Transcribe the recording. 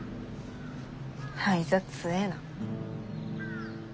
あいつは強えな。